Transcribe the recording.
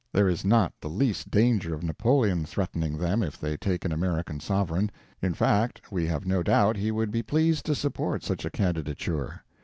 There is not the least danger of Napoleon threatening them if they take an American sovereign; in fact, we have no doubt he would be pleased to support such a candidature.